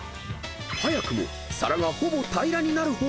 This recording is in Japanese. ［早くも皿がほぼ平らになるほど］